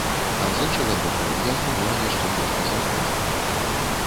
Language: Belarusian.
А з іншага боку, я змагла яшчэ нешта зрабіць.